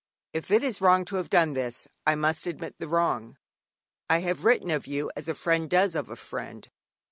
If it is wrong to have done this, I must admit the wrong. I have written of you as a friend does of a friend.